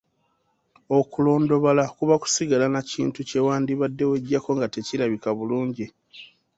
Okulondobala kuba kusigala na kintu kye wandibadde weggyako nga tekirabika bulungi.